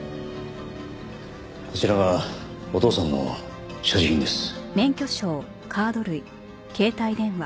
こちらがお父さんの所持品です。